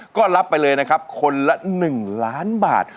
ก็รับไปเลยนะครับคนละ๑ล้านบาท